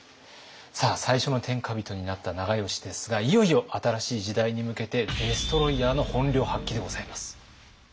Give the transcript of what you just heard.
さあ最初の天下人になった長慶ですがいよいよ新しい時代に向けてデストロイヤーの本領発揮でございます。